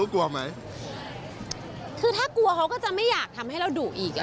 คือถ้ากลัวเขาจะไม่อยากทำให้เราดูอีก